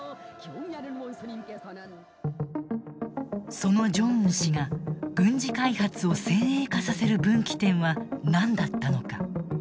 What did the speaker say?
そのジョンウン氏が軍事開発を先鋭化させる分岐点は何だったのか。